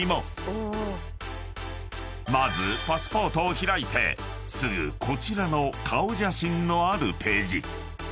［まずパスポートを開いてすぐこちらの顔写真のあるページ］